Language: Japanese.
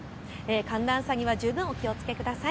寒暖差には十分お気をつけください。